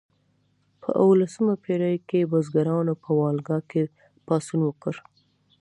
په اوولسمه پیړۍ کې بزګرانو په والګا کې پاڅون وکړ.